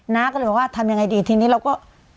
น้าก็เลยบอกว่าทำยังไงดีทีนี้เราก็